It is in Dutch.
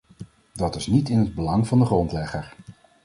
Dat is niet in het belang van de grondlegger.